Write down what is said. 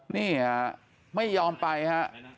นี่อ่าไม่ยอมไปครับ